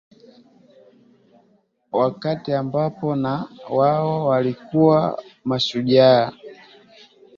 Wakati ambao na wao walikuwa mashujaa